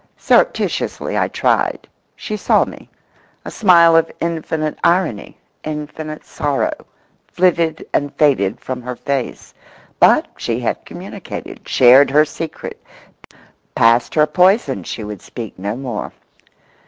Surreptitiously I tried. She saw me. A smile of infinite irony, infinite sorrow, flitted and faded from her face. But she had communicated, shared her secret, passed her poison she would speak no more.